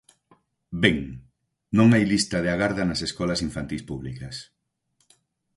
Ben, non hai lista da agarda nas escolas infantís públicas.